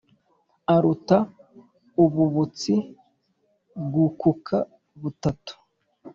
Aruta ububutsi bw'ukuka butatu,